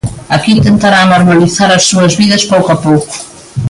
Aquí tentarán normalizar as súas vidas pouco a pouco.